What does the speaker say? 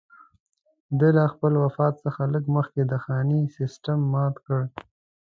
ده له خپل وفات څخه لږ مخکې د خاني سېسټم مات کړ.